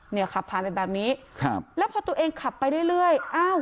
เนี่ยขับผ่านไปแบบนี้ครับแล้วพอตัวเองขับไปเรื่อยเรื่อยอ้าว